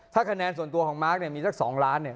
ถ้าคะแนนส่วนตัวของมาร์คมีสัก๒ล้าน